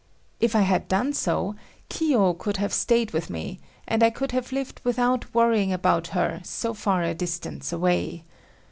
If I had done so, Kiyo could have stayed with me, and I could have lived without worrying about her so far a distance away.